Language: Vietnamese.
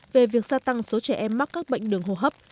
về việc gia tăng số trẻ em mắc các bệnh đường hô hấp